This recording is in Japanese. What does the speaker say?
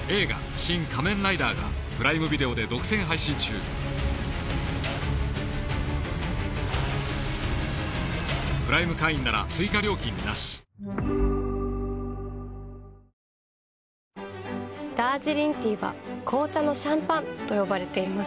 うまクリアアサヒイェーイダージリンティーは紅茶のシャンパンと呼ばれています。